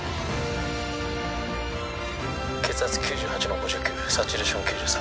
血圧９８の５９サチュレーション９３